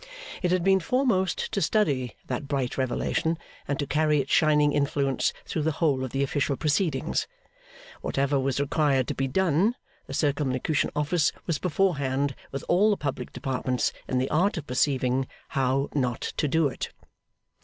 It had been foremost to study that bright revelation and to carry its shining influence through the whole of the official proceedings. Whatever was required to be done, the Circumlocution Office was beforehand with all the public departments in the art of perceiving HOW NOT TO DO IT.